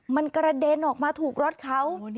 มันกระเด็นออกมาถูกรถเขา